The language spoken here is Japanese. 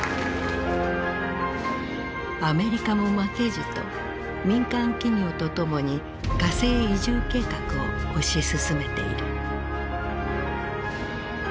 アメリカも負けじと民間企業と共に火星移住計画を推し進めている。